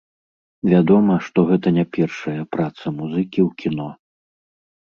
Вядома, што гэта не першая праца музыкі ў кіно.